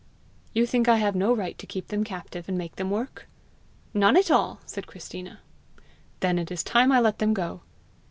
"You think I have no right to keep them captive, and make them work?" "None at all," said Christina. "Then it is time I let them go!"